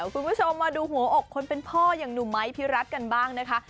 คุณผู้ชมมาดูหัวอกคนเป็นพ่ออย่างหนุ่มไม้พี่รัฐกันบ้างนะคะ